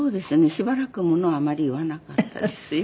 しばらくものをあまり言わなかったですよ。